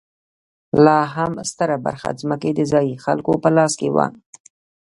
لا هم ستره برخه ځمکې د ځايي خلکو په لاس کې وه.